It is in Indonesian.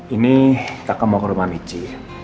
ini kakak mau ke rumah michi